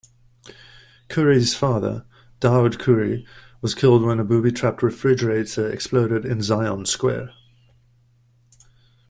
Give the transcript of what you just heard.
Khoury's father, Daoud Khoury, was killed when a booby-trapped refrigerator exploded in Zion Square.